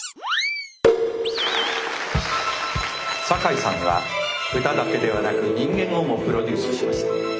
酒井さんは歌だけではなく人間をもプロデュースしました。